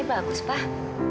ini bagus pak